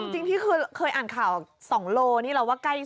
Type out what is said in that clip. จริงพี่เคยอ่านข่าว๒โลกรัมเราว่าใกล้๒นัก